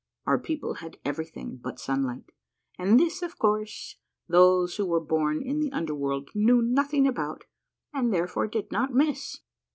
Our people had everything but sunlight, and this, of course, those who were born in the under world knew nothing about and therefore did not miss.